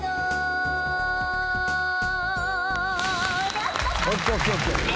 やった。